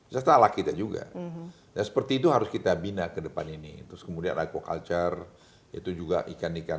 setelah kita juga seperti itu harus kita bina kedepan ini terus kemudian rico culture itu juga ikan ikan